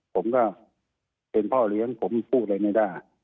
ผมก็เป็นพ่อเลี้ยงผมพูดอะไรไม่ได้